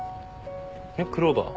えっクローバー？